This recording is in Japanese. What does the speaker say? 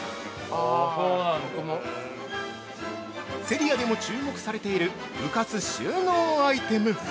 ◆セリアでも注目されている浮かす収納アイテム。